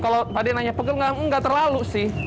kalau pak d nanya pegel nggak terlalu sih